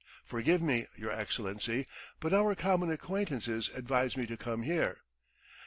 "Forgive me, your Excellency, but our common acquaintances advised me to come here."